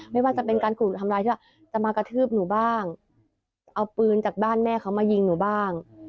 ไม่ว่าจะเป็นการขู่ทำร้ายที่ว่าจะมากระทืบหนูบ้างเอาปืนจากบ้านแม่เขามายิงหนูบ้าง